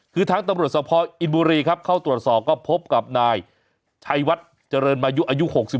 คือทางตำรวจสภอินบุรีครับเข้าตรวจสอบก็พบกับนายชัยวัดเจริญมายุอายุ๖๒